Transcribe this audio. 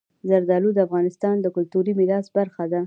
زردالو د افغانستان د کلتوري میراث برخه ده.